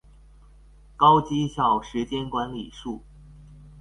高績效時間管理術